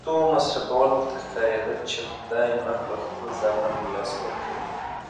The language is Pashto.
د پیسو مصرفول ورته ښکارېدل چې خدای مه کړه خپل زامن له لاسه ورکوي.